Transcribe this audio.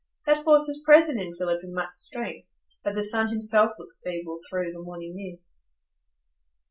That force was present in Philip in much strength, but the sun himself looks feeble through the morning mists.